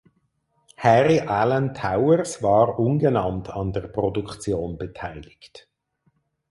Harry Alan Towers war ungenannt an der Produktion beteiligt.